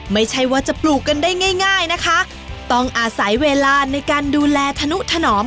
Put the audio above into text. ไม่ใช่ว่าจะปลูกกันได้ง่ายง่ายนะคะต้องอาศัยเวลาในการดูแลธนุถนอม